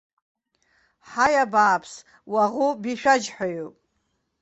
Ҳаи, абааԥс, уаӷоу бишәаџьҳәаҩуп!